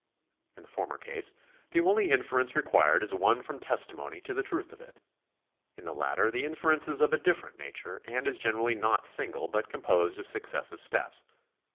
In the former case the only inference required is one from testimony to the truth of it. In the latter the inference is of a different nature, and is generally not single but composed of successive steps.